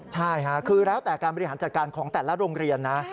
ใช่ค่ะคือแล้วแต่การบริหารจัดการของแต่ละโรงเรียนนะ